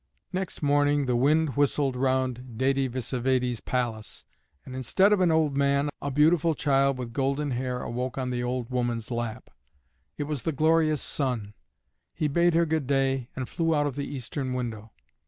Next morning the wind whistled round Dède Vsévède's palace, and instead of an old man, a beautiful child with golden hair awoke on the old woman's lap. It was the glorious sun. He bade her good by, and flew out of the eastern window.